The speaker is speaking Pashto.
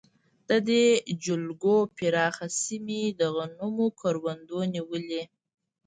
د دې جلګو پراخه سیمې د غنمو کروندو نیولې.